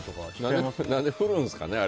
何で振るんですかね。